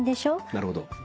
なるほど。